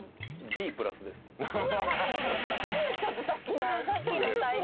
ちょっとさっきのさっきの採点。